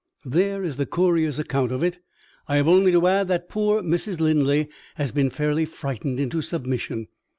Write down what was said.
There is the courier's account of it. I have only to add that poor Mrs. Linley has been fairly frightened into submission.